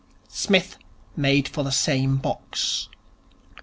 Psmith made for the same box.